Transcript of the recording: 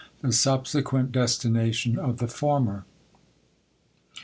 The subsequent destination of the former.